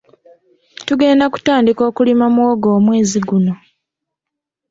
Tugenda kutandika okulima muwogo omwezi guno.